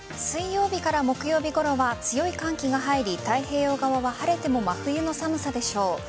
水曜日から木曜日ごろは強い寒気が入り太平洋側は晴れても真冬の寒さでしょう。